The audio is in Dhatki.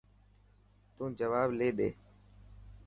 تون جواب لي ڏي.